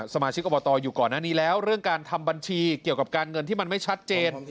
สมาชิกอบตอยู่ก่อนหน้านี้แล้วเรื่องการทำบัญชีเกี่ยวกับการเงินที่มันไม่ชัดเจน